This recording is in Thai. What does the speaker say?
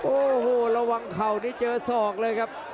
โอ้โหระวังเข่านี่เจอศอกเลยครับ